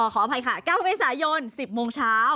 ขออภัยค่ะ๙เมษายน๑๐โมงเช้า